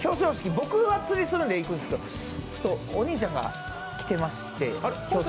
僕は釣りするんで行くんですけどちょっとお兄ちゃんが来てまして、表彰式。